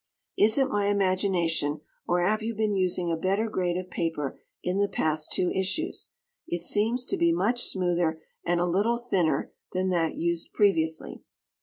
Is it my imagination or have you been using a better grade of paper in the past two issues? it seems to be much smoother and a little thinner than that used previously.